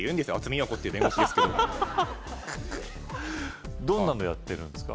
渥美陽子っていう弁護士ですけどどんなのやってるんですか？